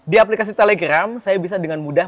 di aplikasi telegram saya bisa dengan mudah